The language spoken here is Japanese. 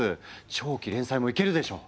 長期連載もいけるでしょう？